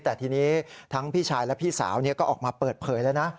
แต่ทีนี้ทั้งพี่ชายและพี่สาวก็ออกมาเปิดเผยแล้วนะ